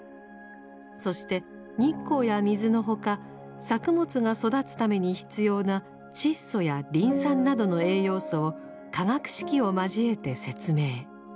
そして日光や水の他作物が育つために必要な窒素やリン酸などの栄養素を化学式を交えて説明。